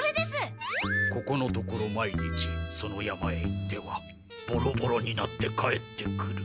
ここのところ毎日その山へ行ってはボロボロになって帰ってくる。